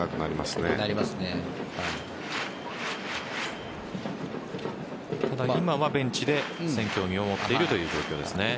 ただ、今はベンチで戦況を見守っているという状況ですね。